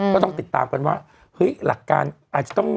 ก็ต้องติดตามกันว่าเฮ้ยหลักการอาจจะต้อง